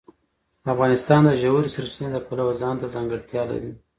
افغانستان د ژورې سرچینې د پلوه ځانته ځانګړتیا لري.